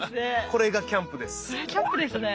これがキャンプですね。